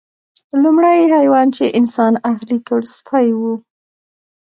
لومړنی حیوان چې انسان اهلي کړ سپی و.